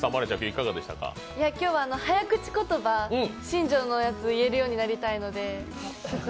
今日は早口言葉新庄のやつ言えるようになりたいので。